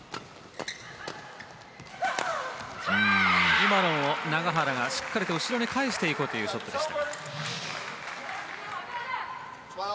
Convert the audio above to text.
今のは永原がしっかりと後ろに返していこうというショットでした。